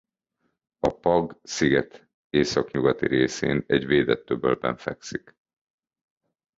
A Pag-sziget északnyugati részén egy védett öbölben fekszik.